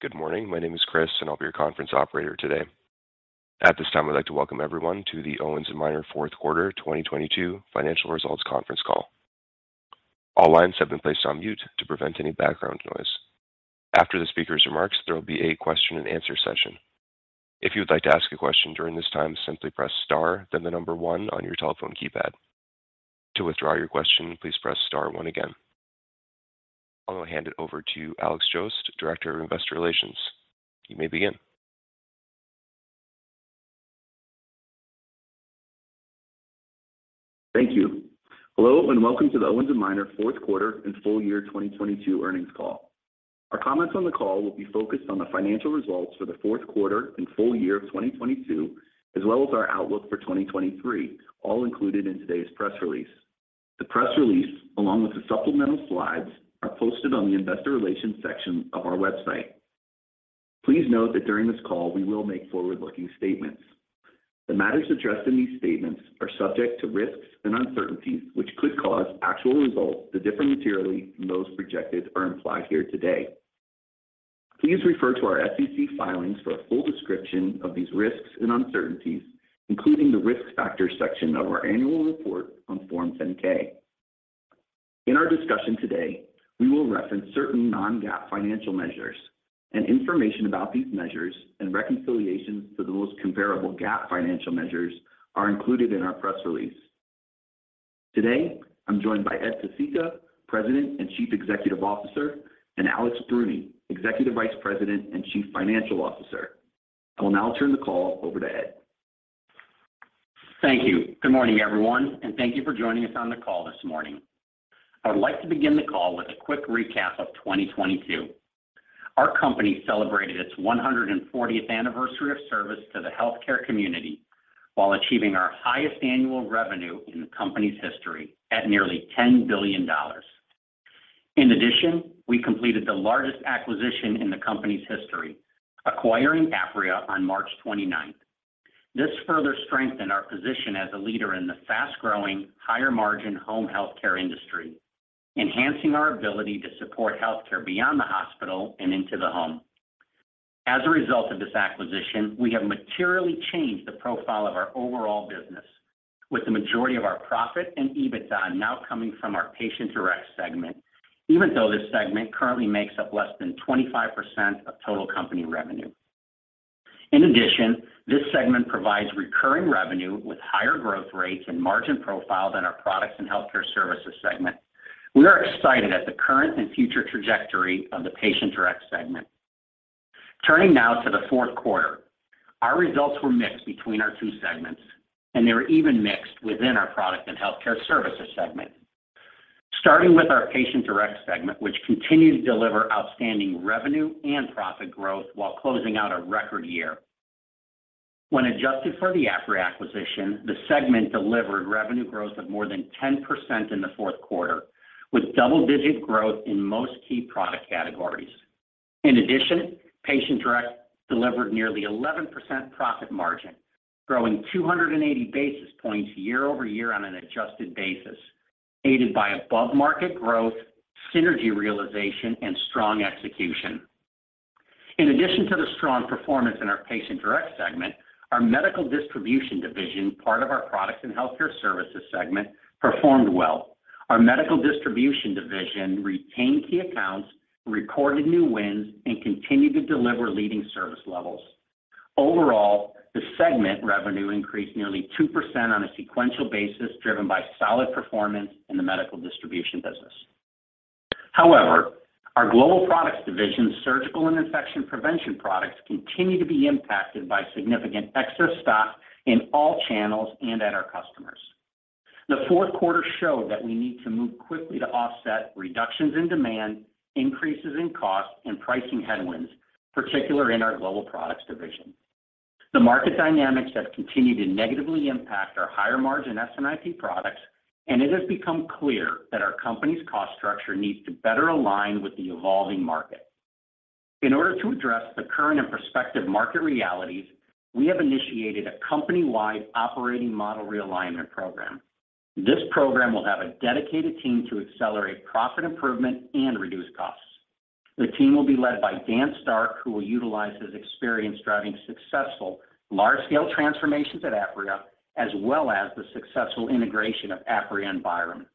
Good morning. My name is Chris. I'll be your conference operator today. At this time, I'd like to Welcome everyone to the Owens & Minor Fourth Quarter 2022 Financial Results Conference Call. All lines have been placed on mute to prevent any background noise. After the speaker's remarks, there will be a question-and-answer session. If you would like to ask a question during this time, simply press star then the number one on your telephone keypad. To withdraw your question, please press star one again. I'm going to hand it over to Leigh Salvo, Director of Investor Relations. You may begin. Thank you. Hello, Welcome to the Owens & Minor Fourth Quarter and Full Year 2022 Earnings Call. Our comments on the call will be focused on the financial results for the fourth quarter and full year of 2022, as well as our outlook for 2023, all included in today's press release. The press release, along with the supplemental slides, are posted on the investor relations section of our website. Please note that during this call, we will make forward-looking statements. The matters addressed in these statements are subject to risks and uncertainties which could cause actual results to differ materially from those projected or implied here today. Please refer to our SEC filings for a full description of these risks and uncertainties, including the Risk Factors section of our annual report on Form 10-K. In our discussion today, we will reference certain non-GAAP financial measures. Information about these measures and reconciliations to the most comparable GAAP financial measures are included in our press release. Today, I'm joined by Ed Pesicka, President and Chief Executive Officer, and Alex Bruni, Executive Vice President and Chief Financial Officer. I will now turn the call over to Ed. Thank you. Good morning, everyone, and thank you for joining us on the call this morning. I would like to begin the call with a quick recap of 2022. Our company celebrated its 140th Anniversary of service to the healthcare community while achieving our highest annual revenue in the company's history at nearly $10 billion. In addition, we completed the largest acquisition in the company's history, acquiring Apria on March 29th. This further strengthened our position as a leader in the fast-growing, higher-margin home healthcare industry, enhancing our ability to support healthcare beyond the hospital and into the home. As a result of this acquisition, we have materially changed the profile of our overall business, with the majority of our profit and EBITDA now coming from our Patient Direct segment, even though this segment currently makes up less than 25% of total company revenue. In addition, this segment provides recurring revenue with higher growth rates and margin profile than our Products & Healthcare Services segment. We are excited at the current and future trajectory of the Patient Direct segment. Turning now to the fourth quarter. Our results were mixed between our two segments, and they were even mixed within our Products & Healthcare Services segment. Starting with our Patient Direct segment, which continued to deliver outstanding revenue and profit growth while closing out a record year. When adjusted for the Apria acquisition, the segment delivered revenue growth of more than 10% in the fourth quarter, with double-digit growth in most key product categories. In addition, Patient Direct delivered nearly 11% profit margin, growing 280 basis points year-over-year on an adjusted basis, aided by above-market growth, synergy realization, and strong execution. In addition to the strong performance in our Patient Direct segment, our Medical Distribution division, part of our Products & Healthcare Services segment, performed well. Our Medical Distribution division retained key accounts, recorded new wins, and continued to deliver leading service levels. Overall, the segment revenue increased nearly 2% on a sequential basis, driven by solid performance in the Medical Distribution business. However, our Global Products division surgical and infection prevention products continue to be impacted by significant excess stock in all channels and at our customers. The fourth quarter showed that we need to move quickly to offset reductions in demand, increases in cost, and pricing headwinds, particularly in our Global Products division. The market dynamics have continued to negatively impact our higher-margin S&IP products, and it has become clear that our company's cost structure needs to better align with the evolving market. In order to address the current and prospective market realities, we have initiated a company-wide operating model realignment program. This program will have a dedicated team to accelerate profit improvement and reduce costs. The team will be led by Dan Starck, who will utilize his experience driving successful large-scale transformations at Apria, as well as the successful integration of Apria and Byram.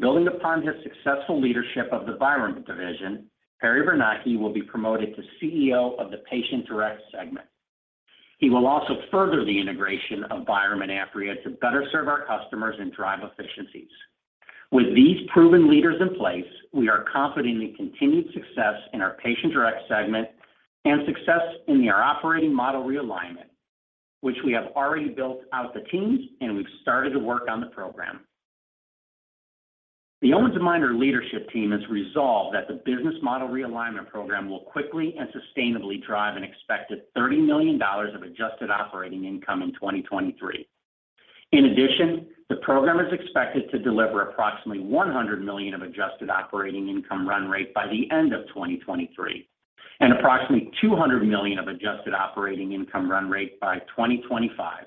Building upon his successful leadership of the Byram division, Perry Bernocchi will be promoted to CEO of the Patient Direct segment. He will also further the integration of Byram and Apria to better serve our customers and drive efficiencies. With these proven leaders in place, we are confident in the continued success in our Patient Direct segment and success in our operating model realignment, which we have already built out the teams, and we've started to work on the program. The Owens & Minor leadership team has resolved that the business model realignment program will quickly and sustainably drive an expected $30 million of adjusted operating income in 2023. In addition, the program is expected to deliver approximately $100 million of adjusted operating income run rate by the end of 2023, and approximately $200 million of adjusted operating income run rate by 2025.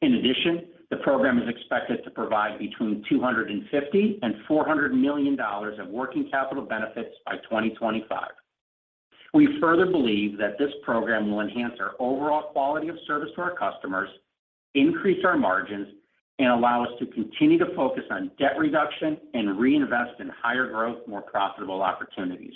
In addition, the program is expected to provide between $250 million and $400 million of working capital benefits by 2025. We further believe that this program will enhance our overall quality of service to our customers, increase our margins, and allow us to continue to focus on debt reduction and reinvest in higher growth, more profitable opportunities.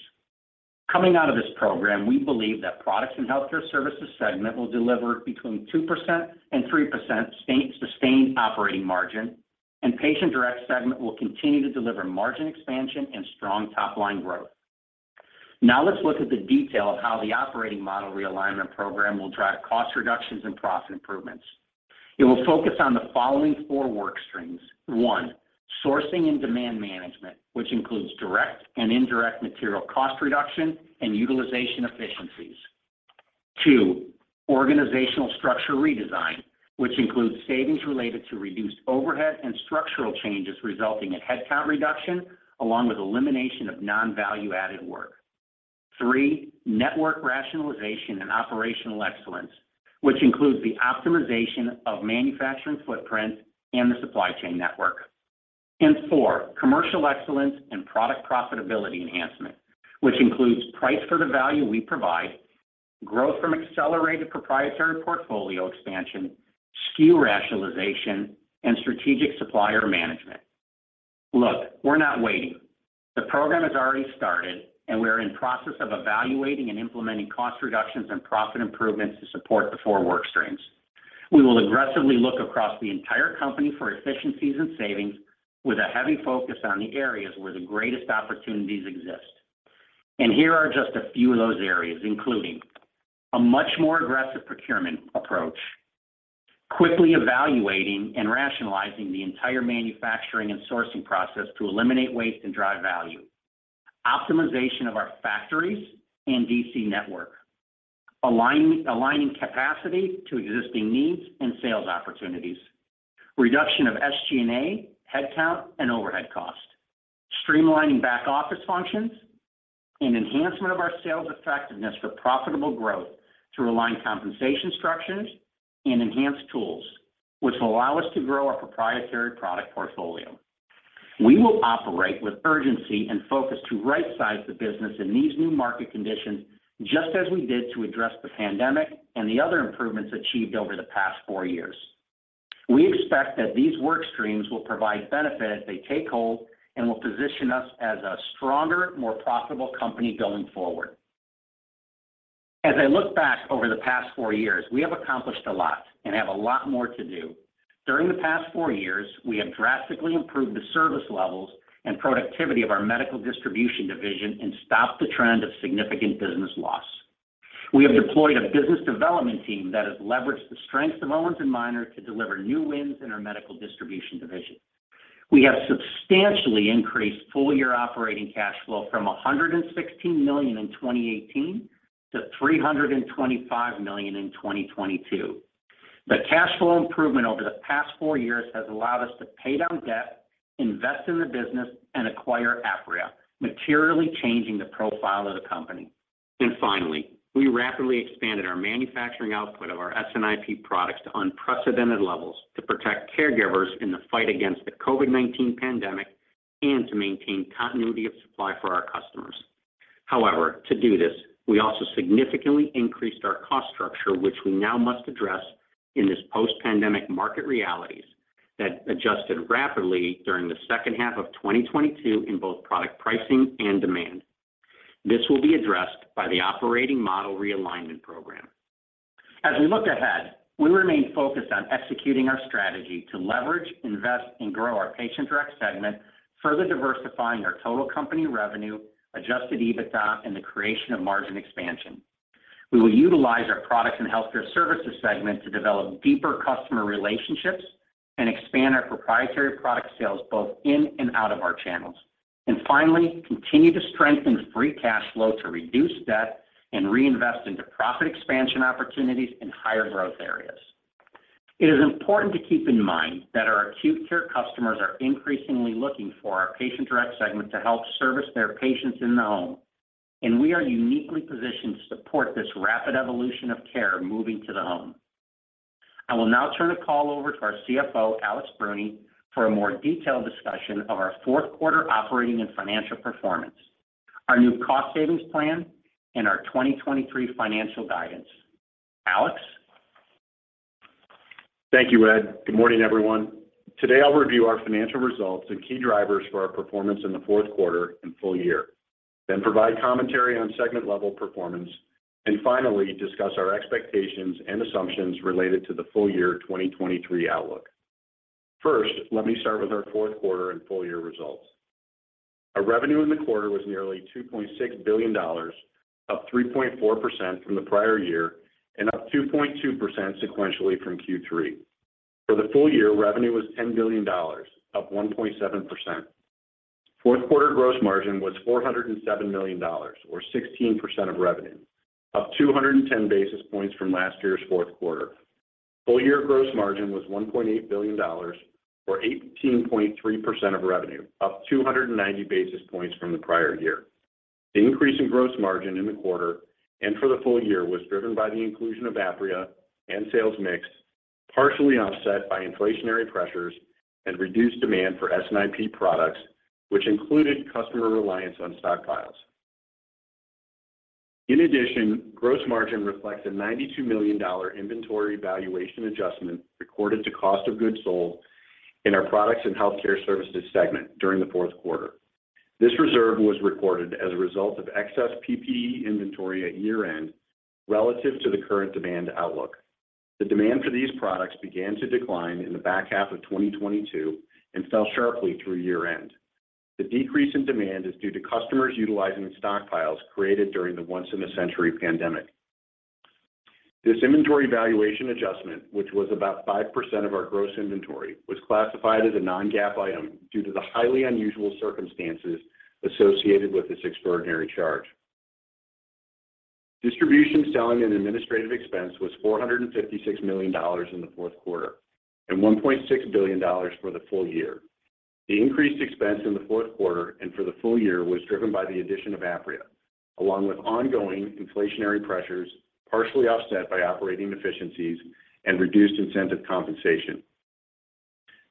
Coming out of this program, we believe that Products & Healthcare Services segment will deliver between 2% and 3% sustained operating margin, and Patient Direct segment will continue to deliver margin expansion and strong top-line growth. Now let's look at the detail of how the operating model realignment program will drive cost reductions and profit improvements. It will focus on the following four work streams. One, sourcing and demand management, which includes direct and indirect material cost reduction and utilization efficiencies. Two, organizational structure redesign, which includes savings related to reduced overhead and structural changes resulting in headcount reduction along with elimination of non-value-added work. Three, network rationalization and operational excellence, which includes the optimization of manufacturing footprint and the supply chain network. Four, commercial excellence and product profitability enhancement, which includes price for the value we provide, growth from accelerated proprietary portfolio expansion, SKU rationalization, and strategic supplier management. Look, we're not waiting. The program has already started. We are in process of evaluating and implementing cost reductions and profit improvements to support the four work streams. We will aggressively look across the entire company for efficiencies and savings with a heavy focus on the areas where the greatest opportunities exist. Here are just a few of those areas, including a much more aggressive procurement approach, quickly evaluating and rationalizing the entire manufacturing and sourcing process to eliminate waste and drive value, optimization of our factories and DC network, aligning capacity to existing needs and sales opportunities, reduction of SG&A, headcount, and overhead cost, streamlining back-office functions, and enhancement of our sales effectiveness for profitable growth through aligned compensation structures and enhanced tools which allow us to grow our proprietary product portfolio. We will operate with urgency and focus to right size the business in these new market conditions, just as we did to address the pandemic and the other improvements achieved over the past four years. We expect that these work streams will provide benefit as they take hold and will position us as a stronger, more profitable company going forward. As I look back over the past four years, we have accomplished a lot and have a lot more to do. During the past four years, we have drastically improved the service levels and productivity of our Medical Distribution division and stopped the trend of significant business loss. We have deployed a business development team that has leveraged the strengths of Owens & Minor to deliver new wins in our Medical Distribution division. We have substantially increased full-year operating cash flow from $116 million in 2018 to $325 million in 2022. The cash flow improvement over the past four years has allowed us to pay down debt, invest in the business, and acquire Apria, materially changing the profile of the company. Finally, we rapidly expanded our manufacturing output of our S&IP products to unprecedented levels to protect caregivers in the fight against the COVID-19 pandemic and to maintain continuity of supply for our customers. However, to do this, we also significantly increased our cost structure, which we now must address in this post-pandemic market realities that adjusted rapidly during the second half of 2022 in both product pricing and demand. This will be addressed by the operating model realignment program. As we look ahead, we remain focused on executing our strategy to leverage, invest, and grow our Patient Direct segment, further diversifying our total company revenue, Adjusted EBITDA, and the creation of margin expansion. We will utilize our Products & Healthcare Services segment to develop deeper customer relationships and expand our proprietary product sales both in and out of our channels. Finally, continue to strengthen free cash flow to reduce debt and reinvest into profit expansion opportunities in higher growth areas. It is important to keep in mind that our acute care customers are increasingly looking for our Patient Direct segment to help service their patients in the home, and we are uniquely positioned to support this rapid evolution of care moving to the home. I will now turn the call over to our CFO, Alex Bruni, for a more detailed discussion of our fourth quarter operating and financial performance, our new cost savings plan, and our 2023 financial guidance. Alex? Thank you, Ed. Good morning, everyone. Today, I'll review our financial results and key drivers for our performance in the fourth quarter and full year, then provide commentary on segment-level performance, and finally, discuss our expectations and assumptions related to the full year 2023 outlook. First, let me start with our fourth quarter and full year results. Our revenue in the quarter was nearly $2.6 billion, up 3.4% from the prior year and up 2.2% sequentially from Q3. For the full year, revenue was $10 billion, up 1.7%. Fourth quarter gross margin was $407 million or 16% of revenue, up 210 basis points from last year's fourth quarter. Full year gross margin was $1.8 billion or 18.3% of revenue, up 290 basis points from the prior year. The increase in gross margin in the quarter and for the full year was driven by the inclusion of Apria and sales mix, partially offset by inflationary pressures and reduced demand for S&IP products, which included customer reliance on stockpiles. In addition, gross margin reflects a $92 million inventory valuation adjustment recorded to cost of goods sold in our Products & Healthcare Services segment during the fourth quarter. This reserve was recorded as a result of excess PPE inventory at year-end relative to the current demand outlook. The demand for these products began to decline in the back half of 2022 and fell sharply through year-end. The decrease in demand is due to customers utilizing stockpiles created during the once-in-a-century pandemic. This inventory valuation adjustment, which was about 5% of our gross inventory, was classified as a non-GAAP item due to the highly unusual circumstances associated with this extraordinary charge. Distribution, selling and administrative expense was $456 million in the fourth quarter and $1.6 billion for the full year. The increased expense in the fourth quarter and for the full year was driven by the addition of Apria, along with ongoing inflationary pressures, partially offset by operating efficiencies and reduced incentive compensation.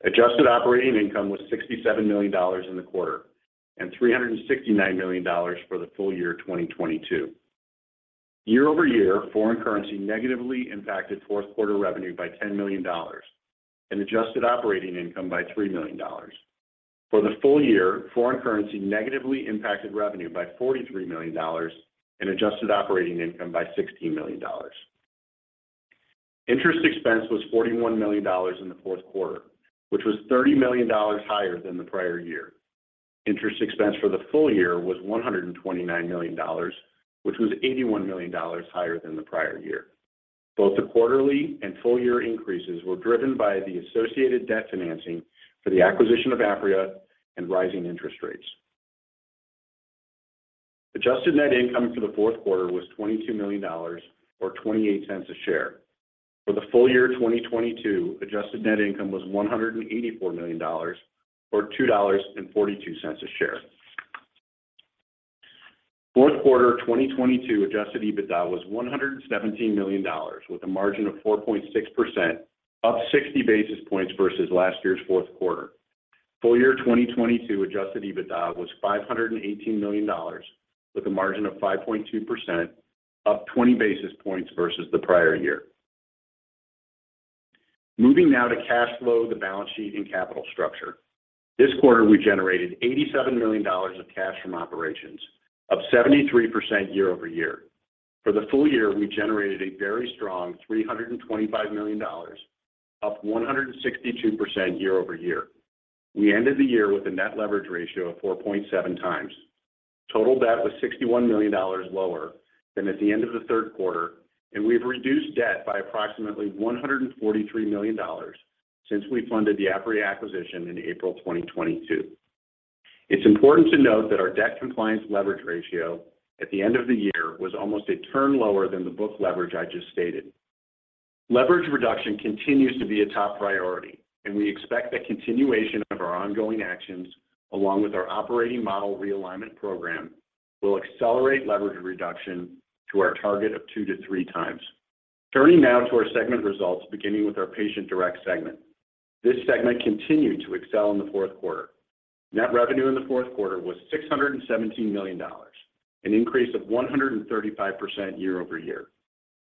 Adjusted operating income was $67 million in the quarter and $369 million for the full year 2022. Year-over-year, foreign currency negatively impacted fourth quarter revenue by $10 million and adjusted operating income by $3 million. For the full year, foreign currency negatively impacted revenue by $43 million and adjusted operating income by $16 million. Interest expense was $41 million in the fourth quarter, which was $30 million higher than the prior year. Interest expense for the full year was $129 million, which was $81 million higher than the prior year. Both the quarterly and full-year increases were driven by the associated debt financing for the acquisition of Apria and rising interest rates. Adjusted net income for the fourth quarter was $22 million or $0.28 a share. For the full year 2022, adjusted net income was $184 million or $2.42 a share. Fourth quarter 2022 Adjusted EBITDA was $117 million with a margin of 4.6%, up 60 basis points vs last year's fourth quarter. Full year 2022 Adjusted EBITDA was $518 million with a margin of 5.2%, up 20 basis points vs the prior year. Moving now to cash flow, the balance sheet and capital structure. This quarter, we generated $87 million of cash from operations, up 73% year-over-year. For the full year, we generated a very strong $325 million, up 162% year-over-year. We ended the year with a net leverage ratio of 4.7x. Total debt was $61 million lower than at the end of the third quarter, and we've reduced debt by approximately $143 million since we funded the Apria acquisition in April 2022. It's important to note that our debt compliance leverage ratio at the end of the year was almost a turn lower than the book leverage I just stated. Leverage reduction continues to be a top priority, and we expect that continuation of our ongoing actions, along with our operating model realignment program, will accelerate leverage reduction to our target of 2 to 3x. Turning now to our segment results, beginning with our Patient Direct segment. This segment continued to excel in the fourth quarter. Net revenue in the fourth quarter was $617 million, an increase of 135% year-over-year.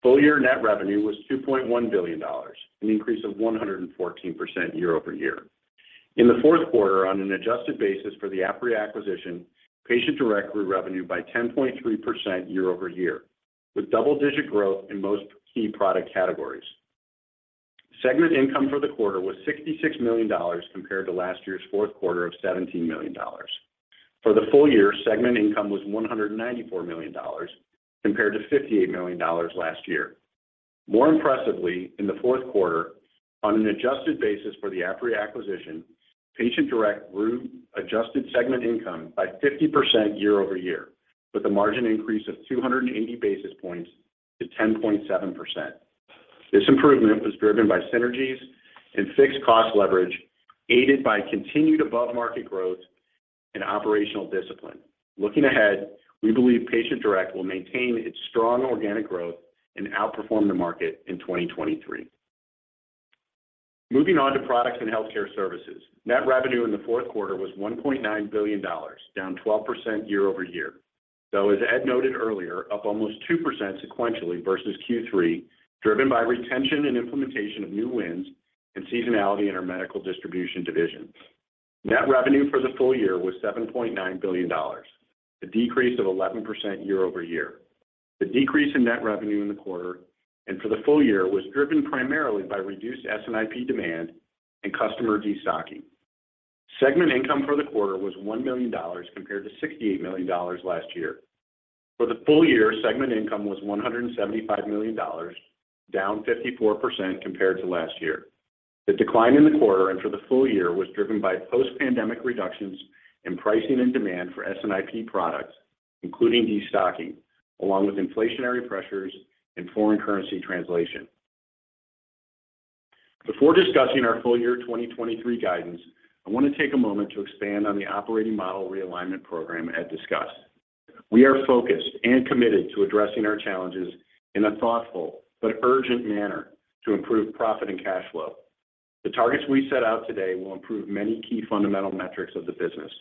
Full year net revenue was $2.1 billion, an increase of 114% year-over-year. In the fourth quarter, on an adjusted basis for the Apria acquisition, Patient Direct grew revenue by 10.3% year-over-year, with double-digit growth in most key product categories. Segment income for the quarter was $66 million compared to last year's fourth quarter of $17 million. For the full year, segment income was $194 million compared to $58 million last year. More impressively, in the fourth quarter, on an adjusted basis for the Apria acquisition, Patient Direct grew adjusted segment income by 50% year-over-year, with a margin increase of 280 basis points to 10.7%. This improvement was driven by synergies and fixed cost leverage, aided by continued above-market growth and operational discipline. Looking ahead, we believe Patient Direct will maintain its strong organic growth and outperform the market in 2023. Moving on to Products & Healthcare Services. Net revenue in the fourth quarter was $1.9 billion, down 12% year-over-year. As Ed noted earlier, up almost 2% sequentially vs Q3, driven by retention and implementation of new wins and seasonality in our Medical Distribution division. Net revenue for the full year was $7.9 billion, a decrease of 11% year-over-year. The decrease in net revenue in the quarter and for the full year was driven primarily by reduced S&IP demand and customer destocking. Segment income for the quarter was $1 million compared to $68 million last year. For the full year, segment income was $175 million, down 54% compared to last year. The decline in the quarter and for the full year was driven by post-pandemic reductions in pricing and demand for S&IP products, including destocking, along with inflationary pressures and foreign currency translation. Before discussing our full year 2023 guidance, I wanna take a moment to expand on the operating model realignment program Ed discussed. We are focused and committed to addressing our challenges in a thoughtful but urgent manner to improve profit and cash flow. The targets we set out today will improve many key fundamental metrics of the business.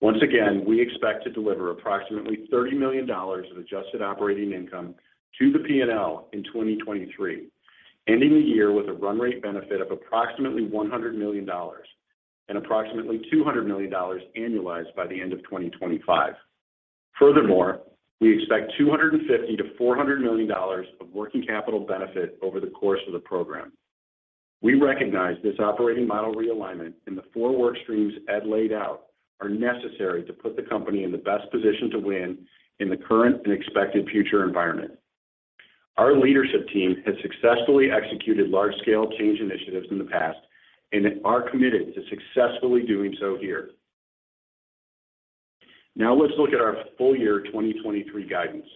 Once again, we expect to deliver approximately $30 million of adjusted operating income to the P&L in 2023, ending the year with a run rate benefit of approximately $100 million and approximately $200 million annualized by the end of 2025. Furthermore, we expect $250 million-$400 million of working capital benefit over the course of the program. We recognize this operating model realignment in the four work streams Ed laid out are necessary to put the company in the best position to win in the current and expected future environment. Our leadership team has successfully executed large-scale change initiatives in the past and are committed to successfully doing so here. Now let's look at our full year 2023 guidance.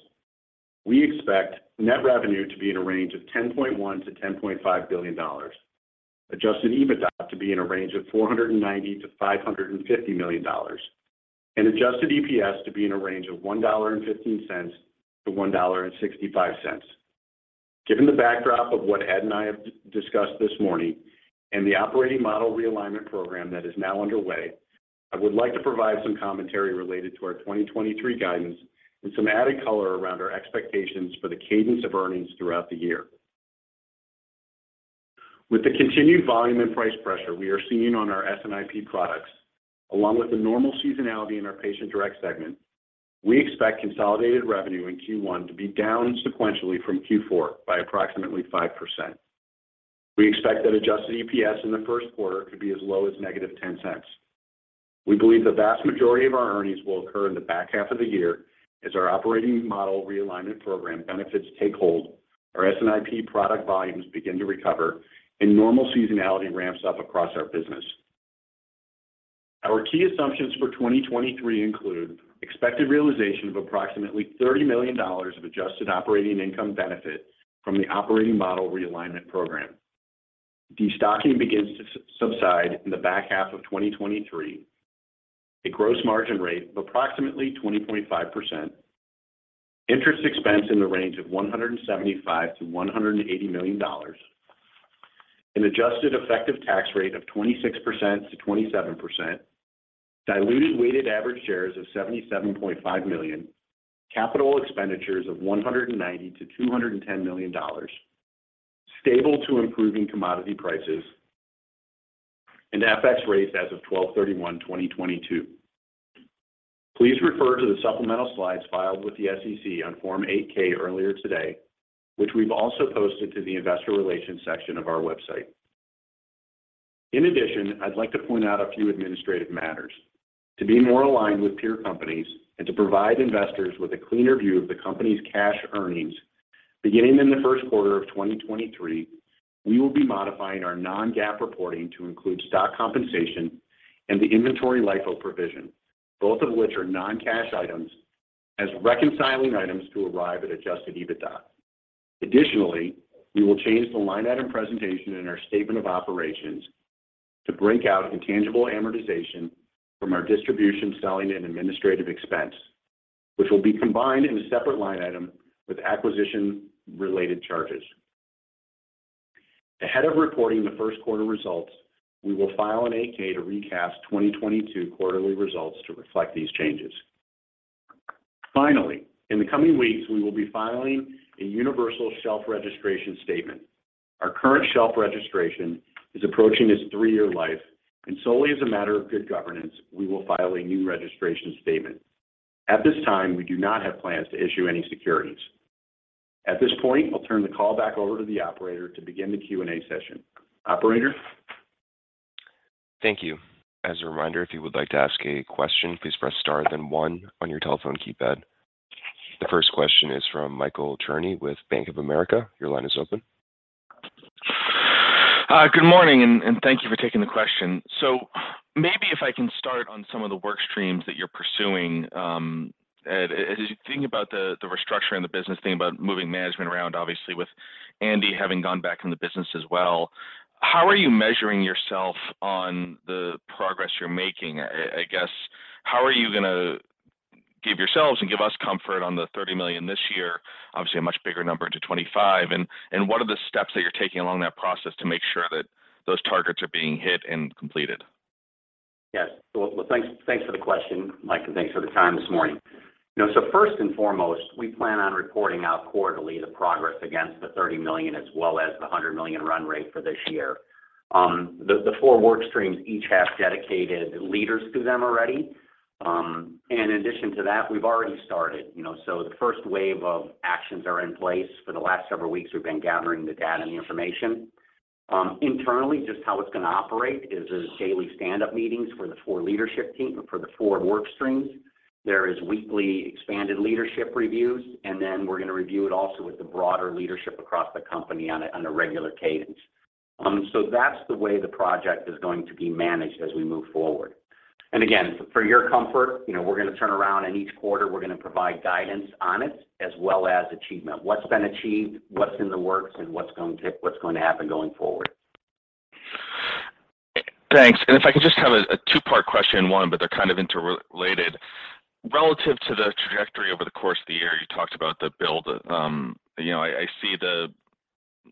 We expect net revenue to be in a range of $10.1 billion-$10.5 billion. Adjusted EBITDA to be in a range of $490 million-$550 million, and adjusted EPS to be in a range of $1.15-$1.65. Given the backdrop of what Ed and I have discussed this morning and the operating model realignment program that is now underway, I would like to provide some commentary related to our 2023 guidance and some added color around our expectations for the cadence of earnings throughout the year. With the continued volume and price pressure we are seeing on our S&IP products, along with the normal seasonality in our Patient Direct segment, we expect consolidated revenue in Q1 to be down sequentially from Q4 by approximately 5%. We expect that adjusted EPS in the first quarter could be as low as -$0.10. We believe the vast majority of our earnings will occur in the back half of the year as our operating model realignment program benefits take hold, our S&IP product volumes begin to recover, and normal seasonality ramps up across our business. Our key assumptions for 2023 include expected realization of approximately $30 million of adjusted operating income benefit from the operating model realignment program. Destocking begins to subside in the back half of 2023. A gross margin rate of approximately 20.5%. Interest expense in the range of $175 million-$180 million. An adjusted effective tax rate of 26%-27%. Diluted weighted average shares of 77.5 million. Capital expenditures of $190 million-$210 million. FX rates as of 12/31/2022. Please refer to the supplemental slides filed with the SEC on Form 8-K earlier today, which we've also posted to the investor relations section of our website. In addition, I'd like to point out a few administrative matters. To be more aligned with peer companies and to provide investors with a cleaner view of the company's cash earnings, beginning in Q1 2023, we will be modifying our non-GAAP reporting to include stock compensation and the inventory LIFO provision, both of which are non-cash items, as reconciling items to arrive at Adjusted EBITDA. Additionally, we will change the line item presentation in our statement of operations to break out intangible amortization from our distribution, selling, and administrative expense, which will be combined in a separate line item with acquisition-related charges. Ahead of reporting the first quarter results, we will file an 8-K to recast 2022 quarterly results to reflect these changes. Finally, in the coming weeks, we will be filing a universal shelf registration statement. Our current shelf registration is approaching its three-year life, and solely as a matter of good governance, we will file a new registration statement. At this time, we do not have plans to issue any securities. At this point, I'll turn the call back over to the operator to begin the Q&A session. Operator? Thank you. As a reminder, if you would like to ask a question, please press star then one on your telephone keypad. The first question is from Michael Cherny with Bank of America. Your line is open. Good morning, and thank you for taking the question. Maybe if I can start on some of the work streams that you're pursuing, Ed, as you think about the restructuring of the business, think about moving management around, obviously with Andy having gone back in the business as well, how are you measuring yourself on the progress you're making? I guess, how are you gonna give yourselves and give us comfort on the $30 million this year, obviously a much bigger number into 2025, and what are the steps that you're taking along that process to make sure that those targets are being hit and completed? Yes. Well, thanks for the question, Mike, and thanks for the time this morning. You know, first and foremost, we plan on reporting out quarterly the progress against the $30 million as well as the $100 million run rate for this year. The four work streams each have dedicated leaders to them already. In addition to that, we've already started. You know, the first wave of actions are in place. For the last several weeks, we've been gathering the data and the information. Internally, just how it's gonna operate is there's daily stand-up meetings for the four work streams. There is weekly expanded leadership reviews, and then we're gonna review it also with the broader leadership across the company on a, on a regular cadence. That's the way the project is going to be managed as we move forward. Again, for your comfort, you know, we're gonna turn around, and each quarter we're gonna provide guidance on it as well as achievement. What's been achieved, what's in the works, and what's going to happen going forward. Thanks. If I could just have a two-part question, one, but they're kind of interrelated. Relative to the trajectory over the course of the year, you talked about the build. you know, I see the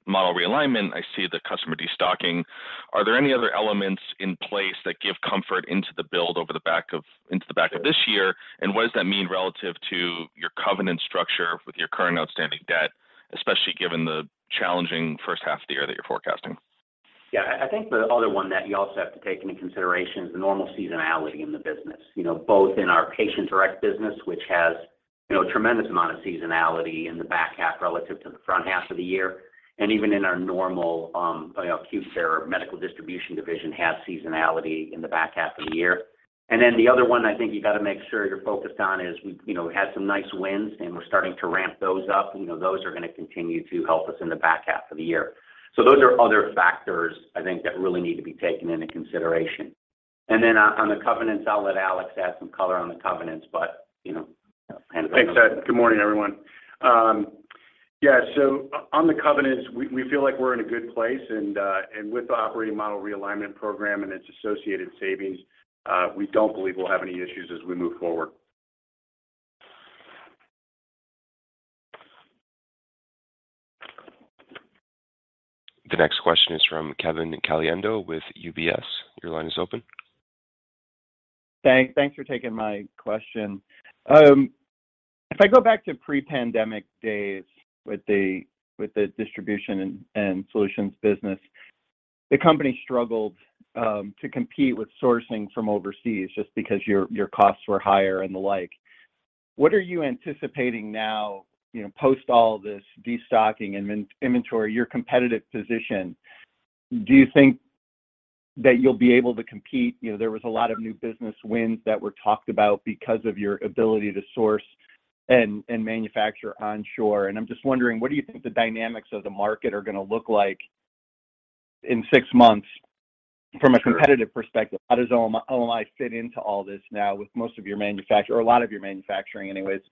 model realignment, I see the customer destocking. Are there any other elements in place that give comfort into the build into the back of this year? What does that mean relative to your covenant structure with your current outstanding debt, especially given the challenging first half of the year that you're forecasting? I think the other one that you also have to take into consideration is the normal seasonality in the business. You know, both in Patient Direct business, which has, you know, a tremendous amount of seasonality in the back half relative to the front half of the year, and even in our normal, you know, acute care Medical Distribution division has seasonality in the back half of the year. The other one I think you gotta make sure you're focused on is we've, you know, had some nice wins, and we're starting to ramp those up. You know, those are gonna continue to help us in the back half of the year. Those are other factors I think that really need to be taken into consideration. On the covenants, I'll let Alex add some color on the covenants, but, you know. Thanks, Ed. Good morning, everyone. Yeah. On the covenants, we feel like we're in a good place. With the operating model realignment program and its associated savings, we don't believe we'll have any issues as we move forward. The next question is from Kevin Caliendo with UBS. Your line is open. Thanks. Thanks for taking my question. If I go back to pre-pandemic days with the distribution and solutions business, the company struggled to compete with sourcing from overseas just because your costs were higher and the like. What are you anticipating now, you know, post all this destocking and in-inventory, your competitive position? Do you think that you'll be able to compete? You know, there was a lot of new business wins that were talked about because of your ability to source and manufacture onshore. I'm just wondering, what do you think the dynamics of the market are gonna look like in six months from a competitive perspective? How does OMI fit into all this now with most of your or a lot of your manufacturing anyways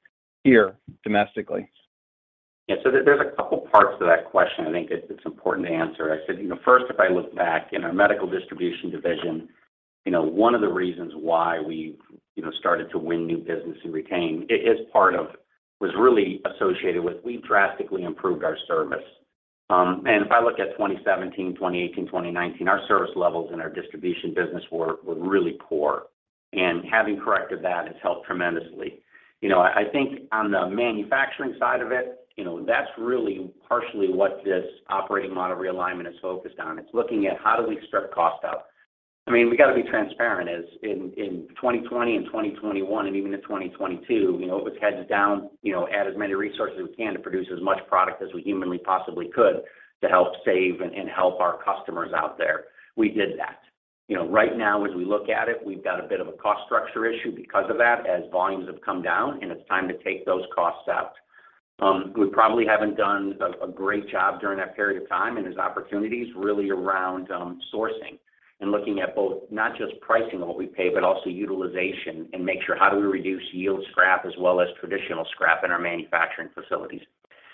here domestically? There's a couple parts to that question I think it's important to answer. I said, you know, first, if I look back in our Medical Distribution division, you know, one of the reasons why we've, you know, started to win new business and retain is part of was really associated with we've drastically improved our service. If I look at 2017, 2018, 2019, our service levels in our distribution business were really poor. Having corrected that has helped tremendously. You know, I think on the manufacturing side of it, you know, that's really partially what this operating model realignment is focused on. It's looking at how do we strip cost out. I mean, we gotta be transparent, as in 2020 and 2021 and even into 2022, you know, it was heads down, you know, add as many resources we can to produce as much product as we humanly possibly could to help save and help our customers out there. We did that. You know, right now as we look at it, we've got a bit of a cost structure issue because of that as volumes have come down, and it's time to take those costs out. We probably haven't done a great job during that period of time, and there's opportunities really around sourcing and looking at both not just pricing what we pay, but also utilization and make sure how do we reduce yield scrap as well as traditional scrap in our manufacturing facilities.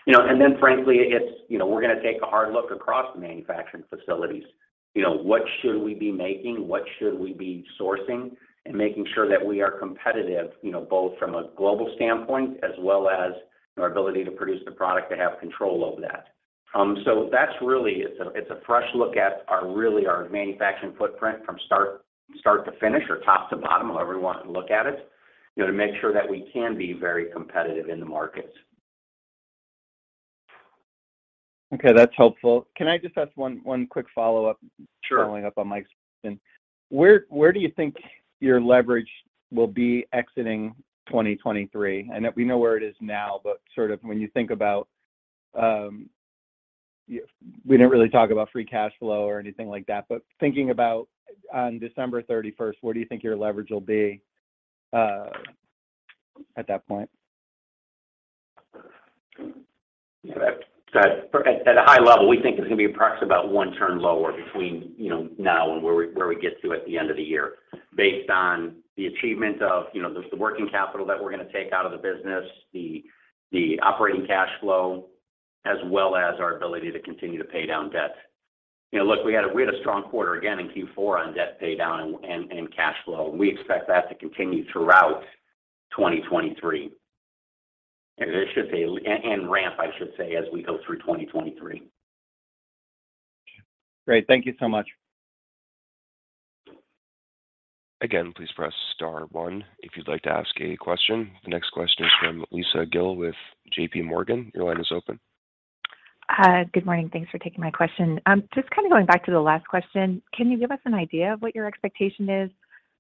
You know, then frankly, it's, you know, we're gonna take a hard look across manufacturing facilities. You know, what should we be making? What should we be sourcing? Making sure that we are competitive, you know, both from a global standpoint as well as our ability to produce the product to have control over that. That's really, it's a, it's a fresh look at our really our manufacturing footprint from start to finish or top to bottom, however you want to look at it, you know, to make sure that we can be very competitive in the markets. Okay. That's helpful. Can I just ask one quick follow-up? Sure. Following up on Mike's question, where do you think your leverage will be exiting 2023? I know we know where it is now, but sort of when you think about we didn't really talk about free cash flow or anything like that, but thinking about on December 31st, where do you think your leverage will be at that point? Yeah. At a high level, we think it's gonna be approximately about 1 turn lower between, you know, now and where we get to at the end of the year based on the achievement of, you know, the working capital that we're gonna take out of the business, the operating cash flow, as well as our ability to continue to pay down debt. You know, look, we had a strong quarter again in Q4 on debt pay down and cash flow. We expect that to continue throughout 2023. Ramp, I should say, as we go through 2023. Great. Thank you so much. Again, please press star one if you'd like to ask a question. The next question is from Lisa Gill with JPMorgan. Your line is open. Good morning. Thanks for taking my question. Just kind of going back to the last question, can you give us an idea of what your expectation is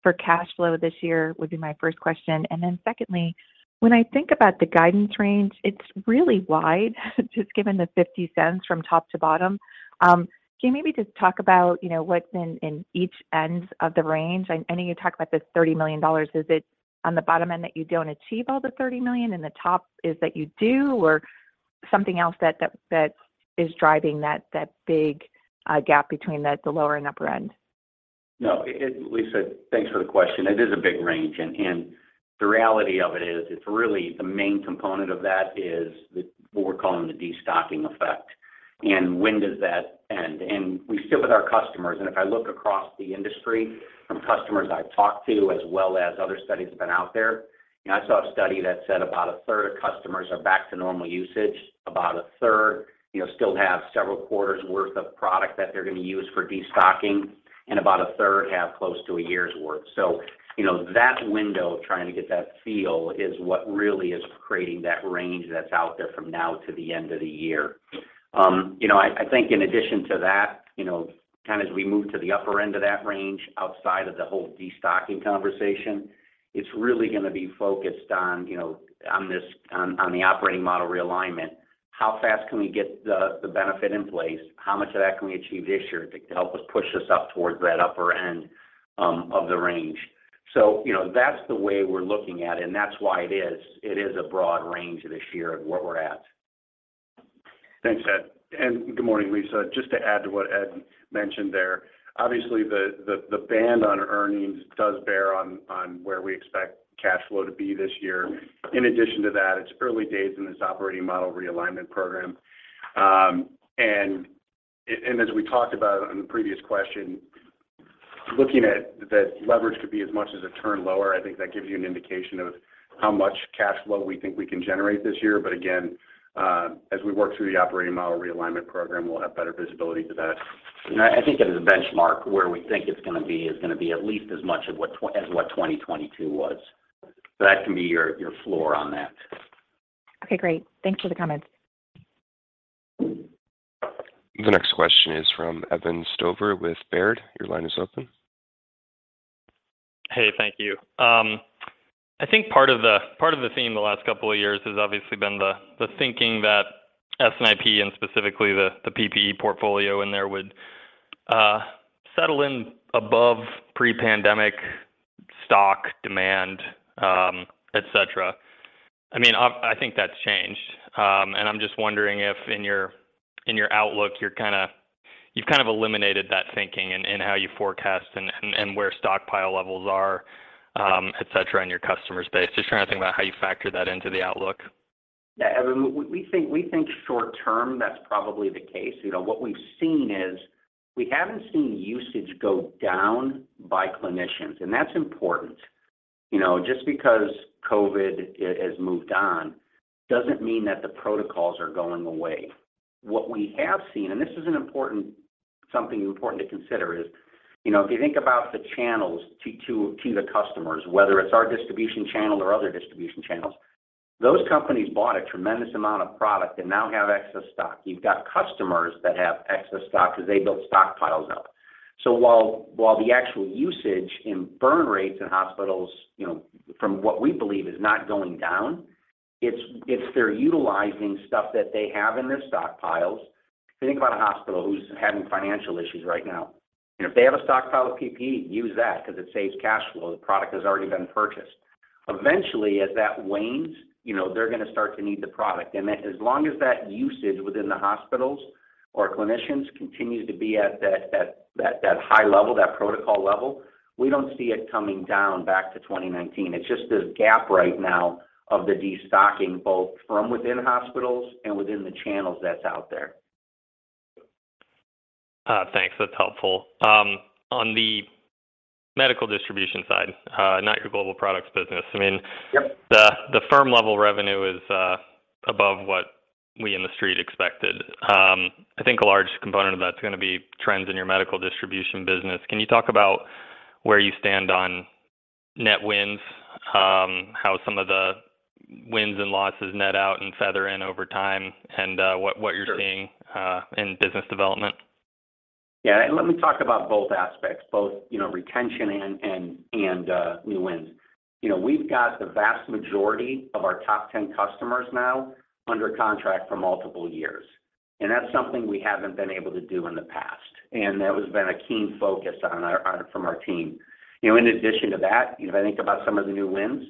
for cash flow this year, would be my first question. Secondly, when I think about the guidance range, it's really wide just given the $0.50 from top to bottom. Can you maybe just talk about, you know, what's in each end of the range? I know you talked about this $30 million. Is it on the bottom end that you don't achieve all the $30 million, and the top is that you do? Something else that is driving that big gap between the lower and upper end. No, Lisa, thanks for the question. It is a big range, and the reality of it is, it's really the main component of that is what we're calling the destocking effect. When does that end? We sit with our customers, and if I look across the industry from customers I've talked to as well as other studies that have been out there, you know, I saw a study that said about a 1\3 of customers are back to normal usage. About a third, you know, still have several quarters' worth of product that they're gonna use for destocking, and about a third have close to a year's worth. You know, that window of trying to get that feel is what really is creating that range that's out there from now to the end of the year. you know, I think in addition to that, you know, kind of as we move to the upper end of that range, outside of the whole destocking conversation, it's really gonna be focused on, you know, on the operating model realignment. How fast can we get the benefit in place? How much of that can we achieve this year to help us push this up towards that upper end of the range? you know, that's the way we're looking at it, and that's why it is a broad range this year of where we're at. Thanks, Ed. Good morning, Lisa Gill. Just to add to what Ed mentioned there, obviously the ban on earnings does bear on where we expect cash flow to be this year. In addition to that, it's early days in this operating model realignment program. As we talked about on the previous question, looking at that leverage could be as much as a turn lower, I think that gives you an indication of how much cash flow we think we can generate this year. Again, as we work through the operating model realignment program, we'll have better visibility to that. I think as a benchmark, where we think it's gonna be is gonna be at least as much of what as what 2022 was. That can be your floor on that. Okay, great. Thanks for the comments. The next question is from Evan Stover with Baird. Your line is open. Hey, thank you. I think part of the theme the last couple of years has obviously been the thinking that S&IP and specifically the PPE portfolio in there would settle in above pre-pandemic stock demand, et cetera. I mean, I think that's changed. I'm just wondering if in your outlook, you've kind of eliminated that thinking in how you forecast and where stockpile levels are, et cetera, in your customer space. Just trying to think about how you factor that into the outlook. Yeah, Evan, we think short term, that's probably the case. You know, what we've seen is we haven't seen usage go down by clinicians, and that's important. You know, just because COVID has moved on doesn't mean that the protocols are going away. What we have seen, and this is an important, something important to consider, is, you know, if you think about the channels to the customers, whether it's our distribution channel or other distribution channels, those companies bought a tremendous amount of product and now have excess stock. You've got customers that have excess stock because they built stockpiles up. While the actual usage in burn rates in hospitals, you know, from what we believe is not going down, it's they're utilizing stuff that they have in their stockpiles. If you think about a hospital who's having financial issues right now, and if they have a stockpile of PPE, use that because it saves cash flow. The product has already been purchased. Eventually, as that wanes, you know, they're gonna start to need the product. As long as that usage within the hospitals or clinicians continues to be at that high level, that protocol level, we don't see it coming down back to 2019. It's just this gap right now of the destocking, both from within hospitals and within the channels that's out there. Thanks. That's helpful. On the Medical Distribution side, not your Global Products business. Yep. The firm level revenue is above what we in the street expected. I think a large component of that's gonna be trends in your Medical Distribution business. Can you talk about where you stand on net wins, how some of the wins and losses net out and feather in over time, and what you're seeing? Sure... in business development? Yeah. Let me talk about both aspects, both, you know, retention and new wins. You know, we've got the vast majority of our top 10 customers now under contract for multiple years. That's something we haven't been able to do in the past. That has been a keen focus from our team. You know, in addition to that, you know, if I think about some of the new wins,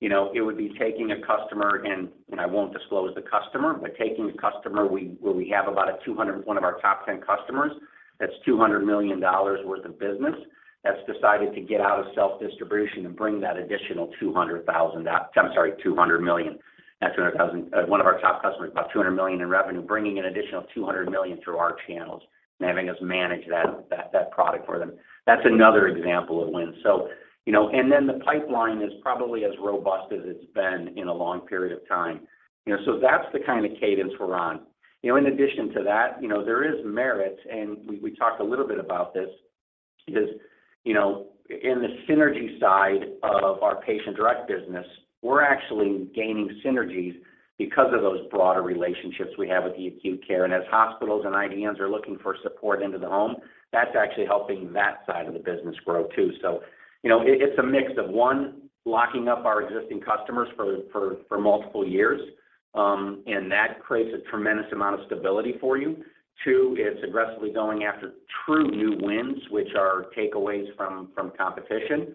you know, it would be taking a customer in, and I won't disclose the customer, but taking a customer where we have about a one of our top 10 customers that's $200 million worth of business, that's decided to get out of self-distribution and bring that additional I'm sorry, $200 million. Not $200,000. One of our top customers, about $200 million in revenue, bringing an additional $200 million through our channels and having us manage that product for them. That's another example of wins. The pipeline is probably as robust as it's been in a long period of time. That's the kind of cadence we're on. In addition to that, you know, there is merit, and we talked a little bit about this, is, you know, in the synergy side of our Patient Direct business, we're actually gaining synergies because of those broader relationships we have with the acute care. As hospitals and IDNs are looking for support into the home, that's actually helping that side of the business grow too. You know, it's a mix of, one, locking up our existing customers for multiple years, and that creates a tremendous amount of stability for you. Two, it's aggressively going after true new wins, which are takeaways from competition.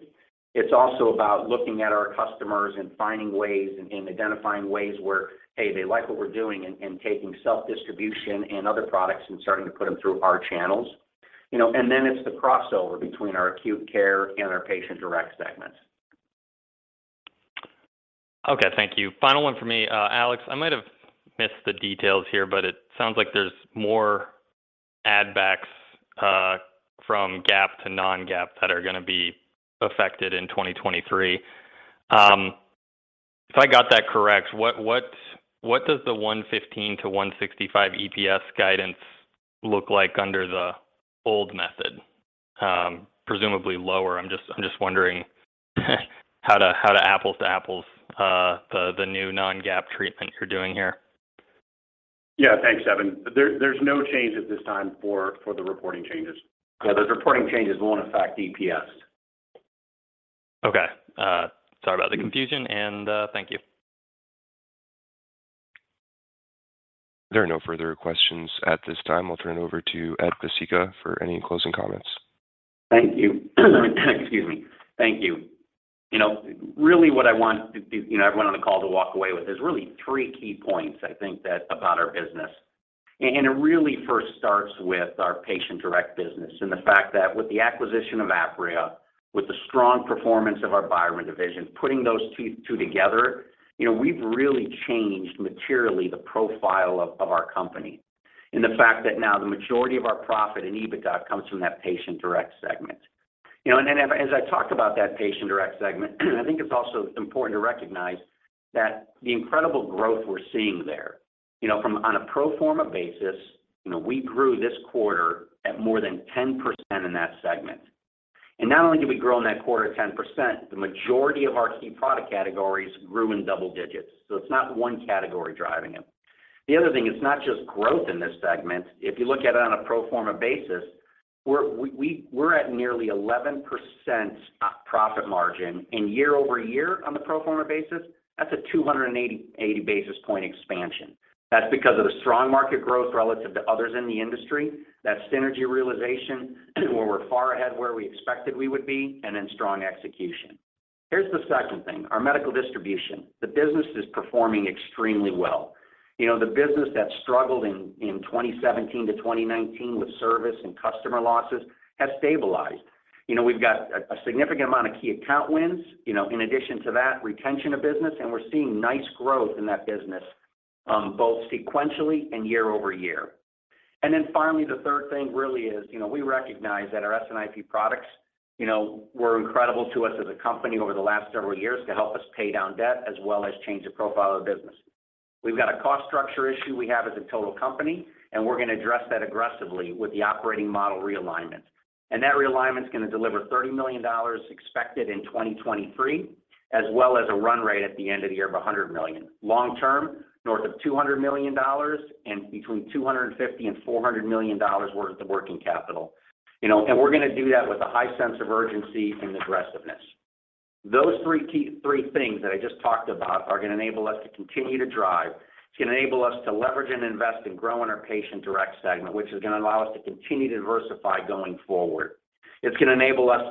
It's also about looking at our customers and finding ways and identifying ways where, hey, they like what we're doing and taking self-distribution and other products and starting to put them through our channels. You know, it's the crossover between our acute care and our Patient Direct segments. Okay. Thank you. Final one for me. Alex, I might have missed the details here, but it sounds like there's more add backs from GAAP to non-GAAP that are gonna be affected in 2023. If I got that correct, what does the $1.15-$1.65 EPS guidance look like under the old method? Presumably lower. I'm just wondering how to apples to apples the new non-GAAP treatment you're doing here. Yeah. Thanks, Evan. There's no change at this time for the reporting changes. Those reporting changes won't affect EPS. Sorry about the confusion, and thank you. There are no further questions at this time. I'll turn it over to Ed Pesicka for any closing comments. Thank you. Excuse me. Thank you. You know, really what I want to do, you know, everyone on the call to walk away with is really three key points, I think that about our business. It really first starts with our Patient Direct business and the fact that with the acquisition of Apria, with the strong performance of our Byram division, putting those two together, you know, we've really changed materially the profile of our company. The fact that now the majority of our profit and EBITDA comes from that Patient Direct segment. You know, as I talk about that Patient Direct segment, I think it's also important to recognize that the incredible growth we're seeing there. You know, from on a pro forma basis, you know, we grew this quarter at more than 10% in that segment. Not only did we grow in that quarter 10%, the majority of our key product categories grew in double digits, so it's not one category driving it. The other thing, it's not just growth in this segment. If you look at it on a pro forma basis, we're at nearly 11% profit margin. Year-over-year on the pro forma basis, that's a 280 basis point expansion. That's because of the strong market growth relative to others in the industry, that synergy realization where we're far ahead where we expected we would be, and then strong execution. Here's the second thing, our Medical Distribution. The business is performing extremely well. You know, the business that struggled in 2017-2019 with service and customer losses has stabilized. You know, we've got a significant amount of key account wins. You know, in addition to that, retention of business, we're seeing nice growth in that business, both sequentially and year-over-year. Finally, the third thing really is, you know, we recognize that our S&IP products, you know, were incredible to us as a company over the last several years to help us pay down debt as well as change the profile of the business. We've got a cost structure issue we have as a total company, and we're gonna address that aggressively with the operating model realignment. That realignment's gonna deliver $30 million expected in 2023, as well as a run rate at the end of the year of $100 million. Long term, north of $200 million and between $250 million and $400 million worth of working capital. You know, we're gonna do that with a high sense of urgency and aggressiveness. Those three things that I just talked about are gonna enable us to continue to drive. It's gonna enable us to leverage and invest in growing our Patient Direct segment, which is gonna allow us to continue to diversify going forward. It's gonna enable us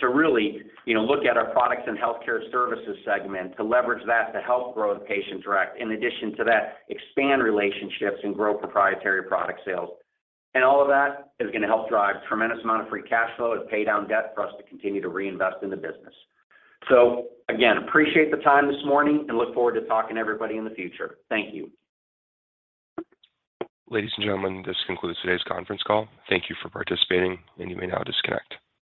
to really, you know, look at our Products & Healthcare Services segment to leverage that to help grow the Patient Direct. In addition to that, expand relationships and grow proprietary product sales. All of that is gonna help drive tremendous amount of free cash flow to pay down debt for us to continue to reinvest in the business. Again, appreciate the time this morning and look forward to talking to everybody in the future. Thank you. Ladies and gentlemen, this concludes today's conference call. Thank you for participating. You may now disconnect.